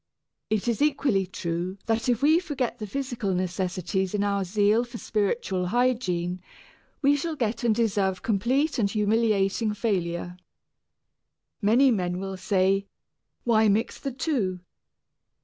It is equally true that if we forget the physical necessities in our zeal for spiritual hygiene, we shall get and deserve complete and humiliating failure. Many men will say, "Why mix the two?